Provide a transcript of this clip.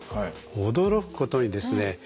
驚くことにですね